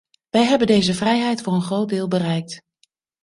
Wij hebben deze vrijheid voor een groot deel bereikt.